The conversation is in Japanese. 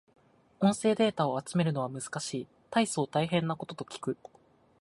音声データを集めるのは難しい。大層大変なことと聞く。